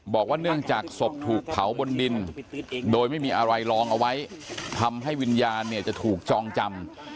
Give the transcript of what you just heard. บอกว่าเนื่องจากศพถูกเผาบนดินโดยไม่มีอะไรลองเอาไว้ทำให้วิญญาณเนี่ยจะถูกจองจำ